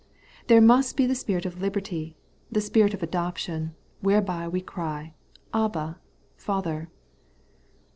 There must be the spirit of liberty, the spirit of adoption, vrhereby we cry, Abba, Father.